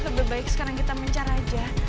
lebih baik sekarang kita mencari aja